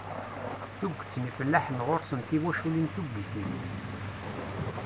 Tuget n yifellaḥen ɣur-sen tiwaculin tuggitin.